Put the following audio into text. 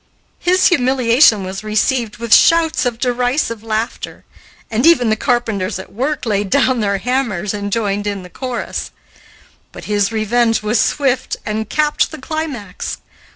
His humiliation was received with shouts of derisive laughter, and even the carpenters at work laid down their hammers and joined in the chorus; but his revenge was swift and capped the climax.